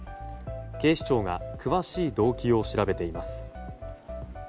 警視庁が詳しい動機を調べています。